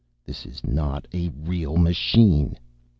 _This is not a real machine.